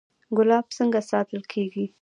ګلاب څنګه ساتل کیږي؟